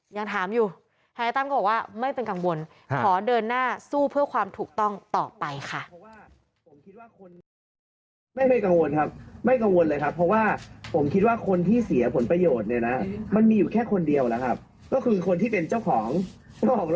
ยังถามอยู่ฮันนายตั้มก็บอกว่าไม่เป็นกังวล